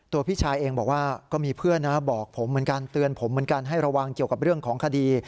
พี่ชายเองบอกว่าก็มีเพื่อนนะบอกผมเหมือนกันเตือนผมเหมือนกันให้ระวังเกี่ยวกับเรื่องของคดี